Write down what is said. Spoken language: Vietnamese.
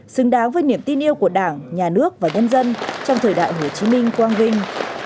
xứng đáng với niềm tin yêu của đảng nhà nước và nhân dân trong thời đại hồ chí minh quang vinh